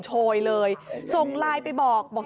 เจ้าของห้องเช่าโพสต์คลิปนี้